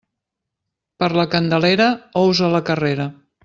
Per la Candelera, ous a la carrera.